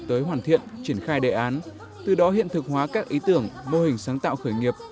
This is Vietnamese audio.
tới hoàn thiện triển khai đề án từ đó hiện thực hóa các ý tưởng mô hình sáng tạo khởi nghiệp